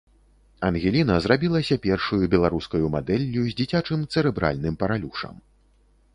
Ангеліна зрабілася першаю беларускаю мадэллю з дзіцячым цэрэбральным паралюшам.